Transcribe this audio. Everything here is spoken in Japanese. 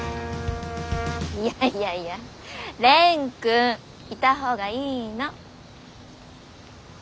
いやいやいや蓮くんいたほうがいいの。